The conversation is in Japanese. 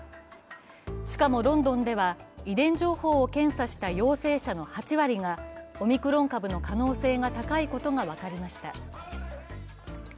しかもロンドンでは遺伝情報を検査した陽性者の８割がオミクロン株の可能性が高いことが分かりました。